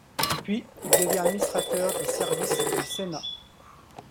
Puis, il devient administrateur des services du Sénat.